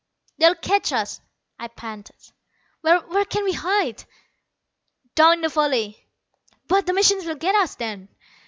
"They'll catch us," I panted. "Where can we hide?" "Down in the valley." "But the machines will get us then."